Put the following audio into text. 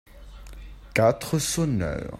Quatre sonneurs.